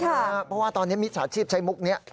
เพราะว่าตอนนี้มิจฉาชีพใช้มุกนี้